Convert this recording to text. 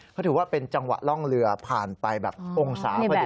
เขาถือว่าเป็นจังหวะล่องเรือผ่านไปแบบองศาพอดี